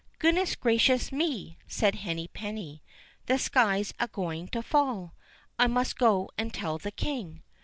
"Goodness gracious me!" said Henny penny; "the sky's a going to fall; I must go and tell the King."